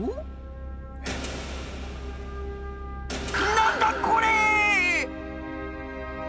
何だこれ！